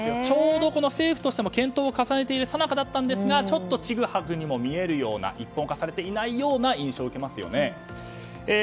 ちょうど政府としても検討を重ねているさなかでしたがちょっとちぐはぐにも見えるような一本化されていないような印象を受けますよね。